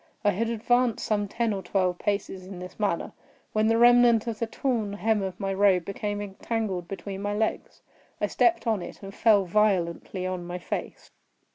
I had advanced some ten or twelve paces in this manner, when the remnant of the torn hem of my robe became entangled between my legs. I stepped on it, and fell violently on my face.